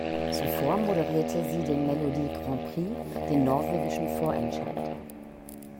Zuvor moderierte sie den "Melodi Grand Prix", den norwegischen Vorentscheid.